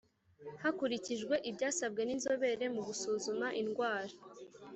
Hakurikijwe ibyasabwe n inzobere mu gusuzuma indwara